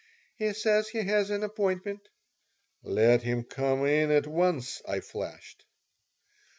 "He says he has an appointment " "Let him come in at once," I flashed.